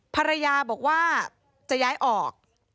ภรรยาบอกว่าจะย้ายออก